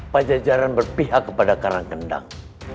pajajaran berpihak kepada karangkendang